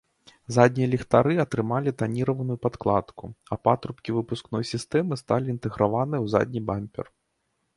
Заднія ліхтары атрымалі таніраваную падкладку, а патрубкі выпускной сістэмы сталі інтэграваныя ў задні бампер.